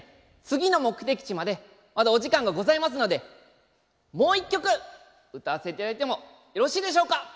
次の目的地までまだお時間がございますのでもう一曲歌わせていただいてもよろしいでしょうか。